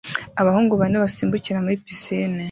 Abahungu bane basimbukira muri pisine